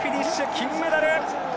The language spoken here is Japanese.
金メダル！